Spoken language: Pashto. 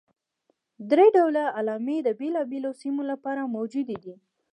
درې ډوله علامې د بېلابېلو سیمو لپاره موجودې دي.